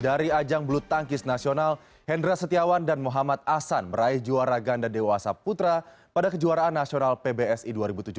dari ajang blutangkis nasional hendra setiawan dan muhammad asan meraih juara ganda dewa asap putra pada kejuaraan nasional pbsi dua ribu tujuh belas